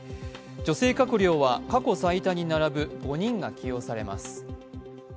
女性閣僚は過去最多に並ぶ５人が起用されます。